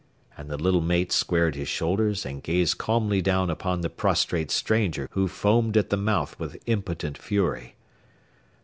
And the little mate squared his shoulders, and gazed calmly down upon the prostrate stranger who foamed at the mouth with impotent fury.